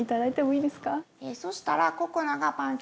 そしたら。